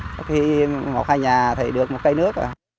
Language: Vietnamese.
có khi một hai nhà thì được một cây nước rồi